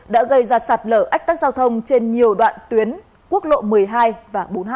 đã gây ra sạt lở ách tắc giao thông trên nhiều đoạn tuyến quốc lộ một mươi hai và bốn mươi hai